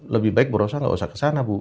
lebih baik bu rosa nggak usah ke sana bu